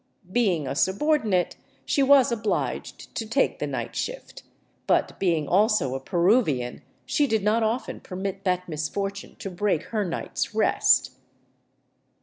Being a subordinate, she was obliged to take 318 THE ROOF OF PERU the night shift; but being also a Peruvian, she did not often permit that misfortune to break her night's rest.